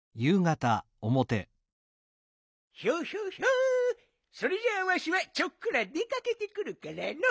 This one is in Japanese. ヒョヒョヒョ。それじゃあわしはちょっくら出かけてくるからのう。